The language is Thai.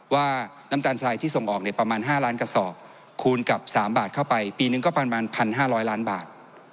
ว่าน้ำตาลทรายที่ส่งออกประมาณ๕ล้านกระสอบคูณกับ๓บาทเข้าไปปีนึงก็ประมาณ๑๕๐๐ล้านบาท